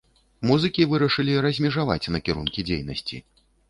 Музыкі вырашылі размежаваць накірункі дзейнасці.